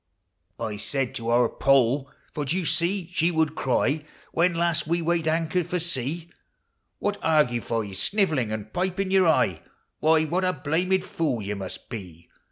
" I said to our 1*011, — for, d' ye see, she would cry When last we weighed anchor for sea, "What argufies snivelling and piping your eye? Why, what a blamed fool yon must be!